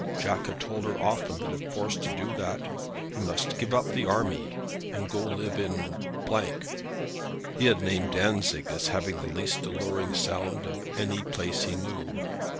Jack had told her often that if forced to do that he must give up the army and go and live in , he had named Dantzic as having the least alluring sound of any place he knew.